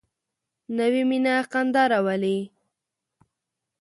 نوې مینه خندا راولي